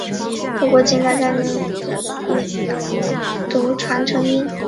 不过近代概念如伽利略虽同理却统读拟音不读传承音。